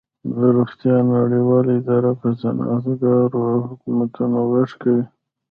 د روغتیا نړیواله اداره په صنعتکارو او حکومتونو غږ کوي